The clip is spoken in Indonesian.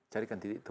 carikan diri itu